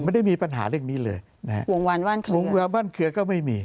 ไม่ได้มีปัญหาเรื่องนี้เลยนะฮะห่วงหวานว่านเขือก็ไม่มี